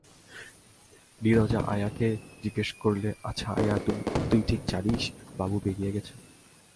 নীরজা আয়াকে জিজ্ঞাসা করলে, আচ্ছা আয়া, তুই ঠিক জানিস বাবু বেরিয়ে গেছেন।